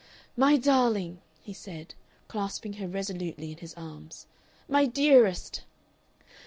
"My darling!" he said, clasping her resolutely in his arms, "my dearest!"